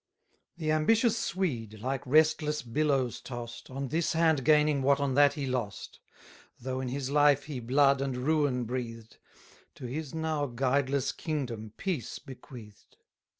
The ambitious Swede, like restless billows tost, On this hand gaining what on that he lost, 10 Though in his life he blood and ruin breathed, To his now guideless kingdom peace bequeath'd.